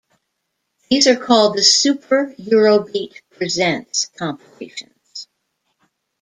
These are called the "Super Eurobeat presents" compilations.